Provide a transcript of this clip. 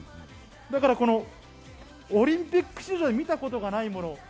だからオリンピック史上で見たことがないもの。